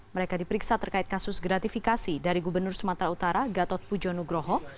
mereka diperiksa terkait kasus gratifikasi dari gubernur sumatera utara gatot pujo nugroho